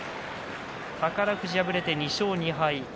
宝富士、敗れて２勝２敗。